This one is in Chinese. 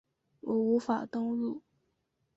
我无法登入